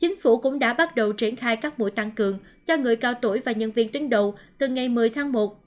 chính phủ cũng đã bắt đầu triển khai các mũi tăng cường cho người cao tuổi và nhân viên tính đồ từ ngày một mươi tháng một